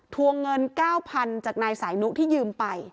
วงเงิน๙๐๐จากนายสายนุที่ยืมไป